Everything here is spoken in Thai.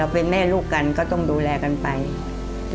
แล้ววันนี้ไม่ได้กลับบ้านมือเปล่าคุณพี่ปู